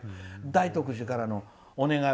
大徳寺からのお願い。